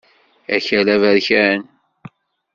Akal aberkan.